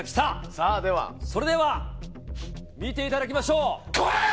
それでは見ていただきましょう。